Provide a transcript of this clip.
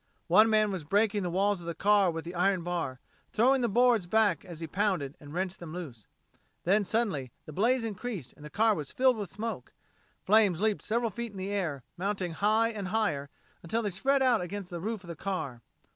One man was breaking the walls of the car with the iron bar, throwing the boards back as he pounded and wrenched them loose. Then, suddenly, the blaze increased and the car was filled with smoke. Flames leaped several feet in the air, mounting high and higher until they spread out against the roof of the car.